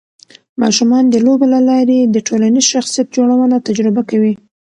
ماشومان د لوبو له لارې د ټولنیز شخصیت جوړونه تجربه کوي.